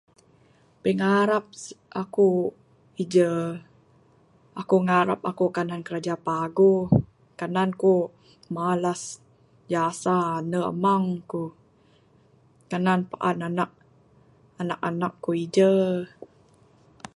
Pingarap aku ije...aku ngarap aku kanan kiraja paguh kanan ku malas jasa ande amang ku...kanan paan anak...anak anak ku ije.